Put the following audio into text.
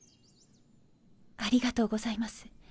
ありがとうございます。